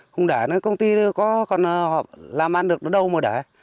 không để công ty còn làm ăn được nó đâu mà để